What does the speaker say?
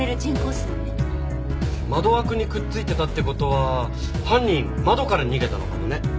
窓枠にくっついてたって事は犯人窓から逃げたのかもね。